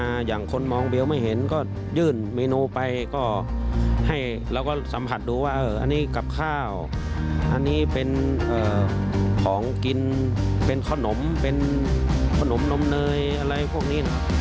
อันนี้เป็นของกินเป็นข้อนมข้อนมนมเนยอะไรพวกนี้